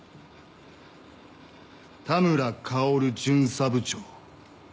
田村薫巡査部長。